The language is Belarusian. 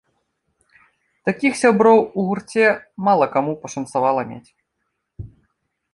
Такіх сяброў у гурце мала каму пашанцавала мець.